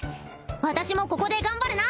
私もここで頑張るな